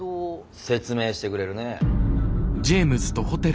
説明してくれるね？